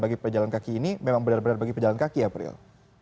bagi pejalan kaki ini memang benar benar bagi pejalan kaki ya prill